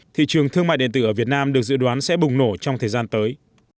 thị trường thương mại điện tử ở việt nam được dự đoán sẽ bùng nổ trong thời gian tới